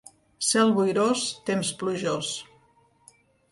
Cel boirós, temps plujós.